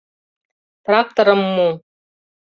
— Тракторым му.